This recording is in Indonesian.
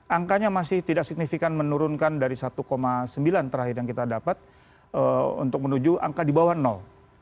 angkanya masih tidak signifikan menurunkan dari satu sembilan terakhir yang kita dapat untuk menuju angka di bawah nol